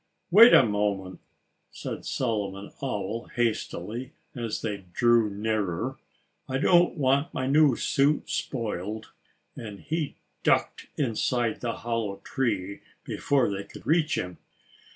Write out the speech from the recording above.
_" "Wait a moment!" said Solomon Owl hastily, as they drew nearer. "I don't want my new suit spoiled." And he ducked inside the hollow tree before they could reach him.